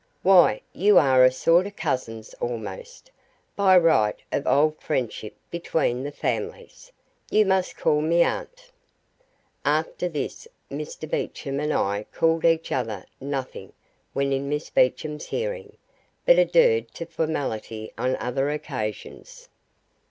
"Why, you are a sort of cousins almost, by right of old friendship between the families. You must call me aunt." After this Mr Beecham and I called each other nothing when in Miss Beecham's hearing, but adhered to formality on other occasions.